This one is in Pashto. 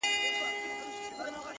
د ميني ننداره ده؛ د مذهب خبره نه ده؛